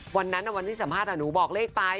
วันนั้นอ่ะวันที่สัมภาษณ์อ่ะหนูบอกเลขไป